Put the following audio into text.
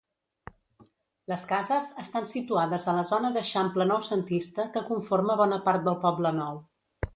Les cases estan situades a la zona d'eixample noucentista que conforma bona part del Poblenou.